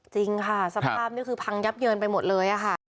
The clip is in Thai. จริงค่ะสภาพนี่คือพังยับเยินไปหมดเลยค่ะ